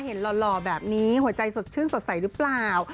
หล่อแบบนี้หัวใจสดชื่นสดใสหรือเปล่า